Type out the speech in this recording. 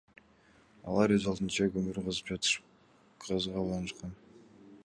Алар өз алдынча көмүр казып жатышып газга улаанышкан.